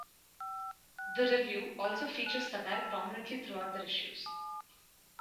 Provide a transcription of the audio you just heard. The "Review" also features satire prominently throughout their issues.